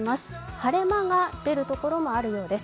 晴れ間が出るところもあるようです。